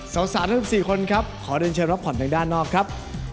สาวทั้ง๑๔คนครับขอเดินเชิญรับผ่อนทางด้านนอกครับ